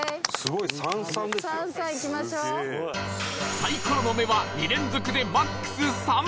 サイコロの目は２連続でマックス「３」